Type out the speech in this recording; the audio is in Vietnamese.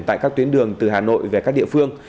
tại các tuyến đường từ hà nội về các địa phương